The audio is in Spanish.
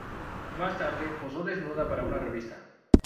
Más tarde posó desnuda para una revista.